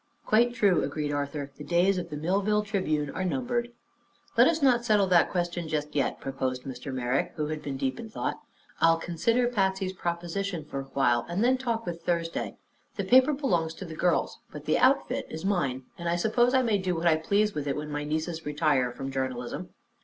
"Quite true," agreed Arthur. "The days of the Millville Tribune are numbered." "Let us not settle that question just yet," proposed Mr. Merrick, who had been deep in thought. "I'll consider Patsy's proposition for awhile and then talk with Thursday. The paper belongs to the girls, but the outfit is mine, and I suppose I may do what I please with it when my nieces retire from journalism."